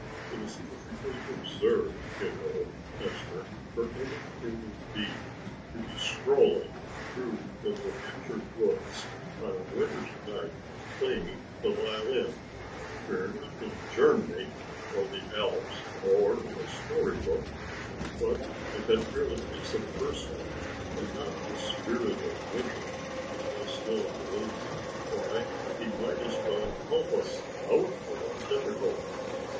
"It is perfectly absurd you know, Esther, for any human being to be strolling through the New Hampshire woods on a winter's night playing the violin. We are not in Germany or the Alps or in a story book. But if it really is a person and not the Spirit of Winter, as I still believe, why he might as well help us out of our difficulty.